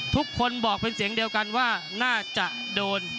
ทุกคนบอกเป็นเสียงเดียวกันว่าน่าจะโดน